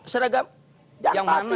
seragam yang mana